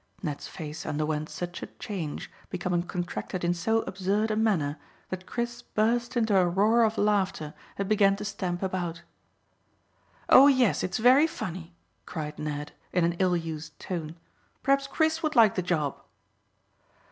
Ned's face underwent such a change, becoming contracted in so absurd a manner, that Chris burst into a roar of laughter and began to stamp about. "Oh yes, it's very funny," cried Ned, in an ill used tone. "Perhaps Chris would like the job."